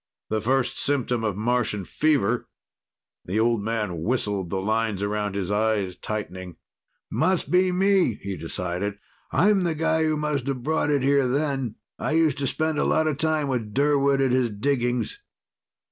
"The first symptom of Martian fever." The old man whistled, the lines around his eyes tightening. "Must be me," he decided. "I'm the guy who must have brought it here, then. I used to spend a lot of time with Durwood at his diggings!"